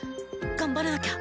頑張らなきゃ！